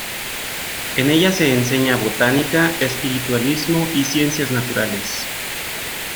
En ella se enseña botánica, espiritualismo y ciencias naturales.